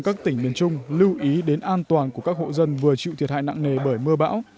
các tỉnh miền trung lưu ý đến an toàn của các hộ dân vừa chịu thiệt hại nặng nề bởi mưa bão